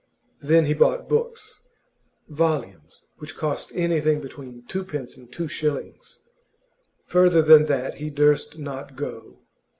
Then he bought books volumes which cost anything between twopence and two shillings; further than that he durst not go.